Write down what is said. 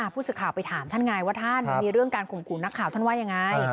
ผู้สื่อข่าวไปถามท่านไงว่าท่านมีเรื่องการข่มขู่นักข่าวท่านว่ายังไง